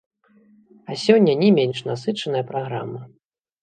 А сёння не менш насычаная праграма.